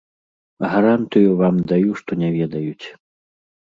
Гарантыю вам даю, што не ведаюць.